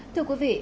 thưa quý vị